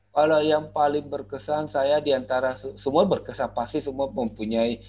kalau yang paling berkesan saya diantara semua berkesan pasti semua mempunyai